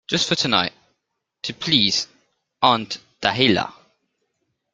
Just for tonight, to please Aunt Dahlia?